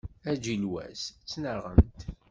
Aǧilewwas ttnaɣent.